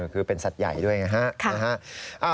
คือเป็นสัตว์ใหญ่ด้วยไงฮะ